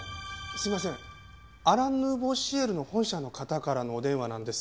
すいませんアラン・ヌーボー・シエルの本社の方からのお電話なんですが。